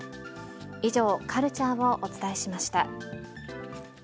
以上、カルチャーをお伝えしました。